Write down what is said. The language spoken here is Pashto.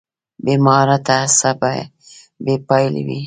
بې مهارته هڅه بې پایلې وي.